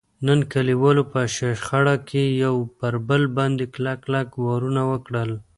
نن کلیوالو په شخړه کې یو پر بل باندې کلک کلک وارونه وکړل.